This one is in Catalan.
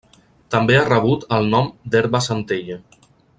També ha rebut el nom d’herba centella.